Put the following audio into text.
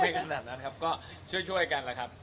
ไม่กระดับนั้นครับก็ช่วยกันแหละครับ